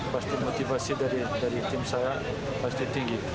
pasti motivasi dari tim saya pasti tinggi